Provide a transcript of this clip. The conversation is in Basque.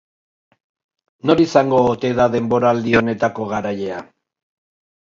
Nor izango ote da denboraldi honetako garailea?